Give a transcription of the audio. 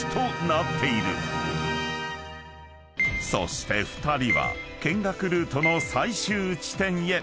［そして２人は見学ルートの最終地点へ］